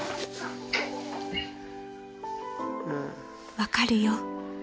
［「分かるよ」］